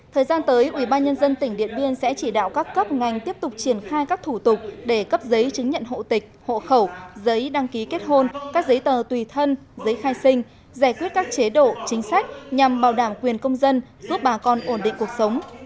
thời gian tới ubnd tỉnh điện biên sẽ chỉ đạo các cấp ngành tiếp tục triển khai các thủ tục để cấp giấy chứng nhận hộ tịch hộ khẩu giấy đăng ký kết hôn các giấy tờ tùy thân giấy khai sinh giải quyết các chế độ chính sách nhằm bảo đảm quyền công dân giúp bà con ổn định cuộc sống